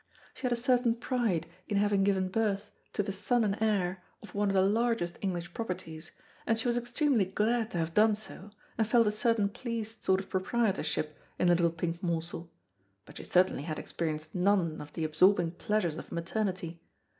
She had a certain pride in having given birth to the son and heir of one of the largest English properties, and she was extremely glad to have done so, and felt a certain pleased sort of proprietorship in the little pink morsel, but she certainly had experienced none of the absorbing pleasures of maternity.